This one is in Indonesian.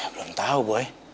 belum tau boy